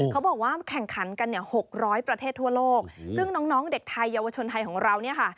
เขาบอกว่าแข่งขันกันเนี่ย๖๐๐ประเทศทั่วโลกซึ่งน้องน้องเด็กไทยเยาวชนไทยของเราเนี่ยค่ะ